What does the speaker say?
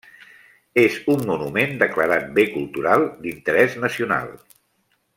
És un monument declarat bé cultural d'interès nacional.